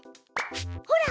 ほら！